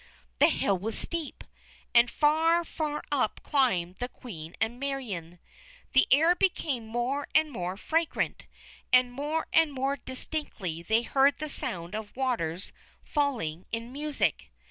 The hill was steep, and far, far up climbed the Queen and Marion. The air became more and more fragrant; and more and more distinctly they heard the sound of waters falling in music.